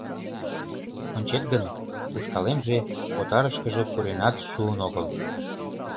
Ончет гын, ушкалемже отарышкыже пуренат шуын огыл.